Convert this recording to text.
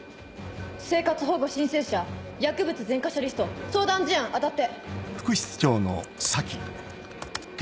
生活保護申請者薬物前科者リスト相談事案当たって。